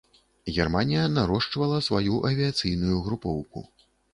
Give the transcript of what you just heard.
Германія нарошчвала сваю авіяцыйную групоўку.